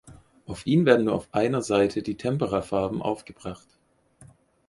Auf ihn werden nur auf einer Seite die Temperafarben aufgebracht.